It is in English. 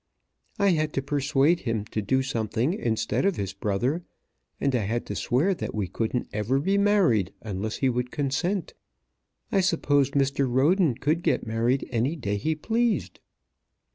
I had to persuade him to do something instead of his brother, and I had to swear that we couldn't ever be married unless he would consent. I suppose Mr. Roden could get married any day he pleased."